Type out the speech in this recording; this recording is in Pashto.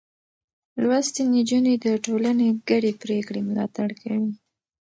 لوستې نجونې د ټولنې ګډې پرېکړې ملاتړ کوي.